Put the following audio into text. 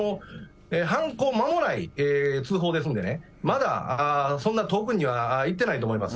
犯行まもない通報ですのでね、まだそんな遠くには行ってないと思います。